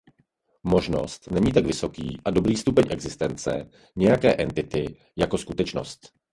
Možnost není tak vysoký a dobrý stupeň existence nějaké entity jako skutečnost.